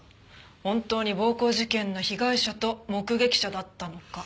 本当に暴行事件の被害者と目撃者だったのか？